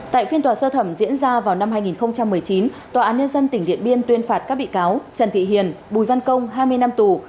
tại phiên tòa sơ thẩm diễn ra vào năm hai nghìn một mươi chín tòa án nhân dân tỉnh điện biên tuyên phạt các bị cáo trần thị hiền bùi văn công hai mươi năm tù